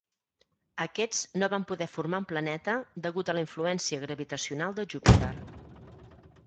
Aquests no van poder formar un planeta degut a la influència gravitacional de Júpiter.